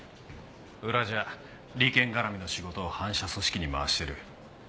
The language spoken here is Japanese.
裏じゃ利権絡みの仕事を反社組織に回してる。